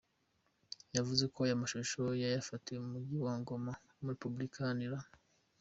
yavuze ko aya mashusho yayafatiye mu mujyi wa Goma ho muri Repubulika Iharanira.